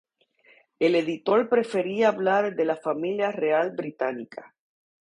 El editor prefería hablar de la familia real británica.